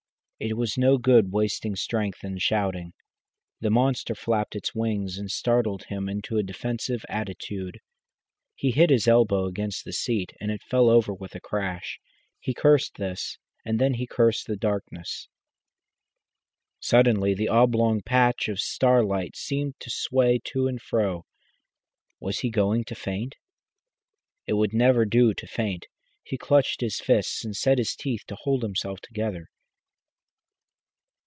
It was no good wasting strength in shouting. The monster flapped its wings and startled him into a defensive attitude. He hit his elbow against the seat, and it fell over with a crash. He cursed this, and then he cursed the darkness. Suddenly the oblong patch of starlight seemed to sway to and fro. Was he going to faint? It would never do to faint. He clenched his fists and set his teeth to hold himself together.